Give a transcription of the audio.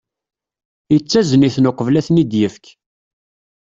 Yettazen-iten uqbel ad ten-id-yefk.